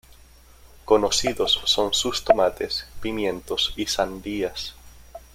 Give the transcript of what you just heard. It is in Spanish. Conocidos son sus tomates, pimientos y sandías.